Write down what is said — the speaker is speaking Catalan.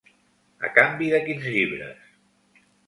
A canvi de quins llibres?